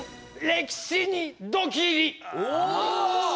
「歴史にドキリ」！